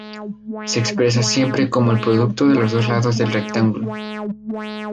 Se expresa siempre como el producto de los dos lados del rectángulo.